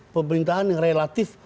pemerintahan yang relatif